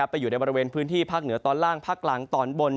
อยู่ในบริเวณพื้นที่ภาคเหนือตอนล่างภาคกลางตอนบน